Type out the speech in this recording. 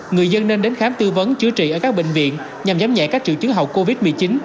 người dân nên đến khám tư vấn chữa trị ở các bệnh viện nhằm giám nhẹ các triệu chứng hậu covid một mươi chín